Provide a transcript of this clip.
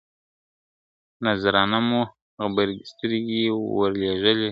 نذرانه مو غبرګي سترګي ورلېږلي !.